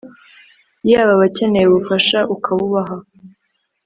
yabo abakeneye ubufasha ukabubaha.